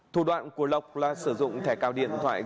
thủ đoạn của lộc là sử dụng thẻ cào điện thoại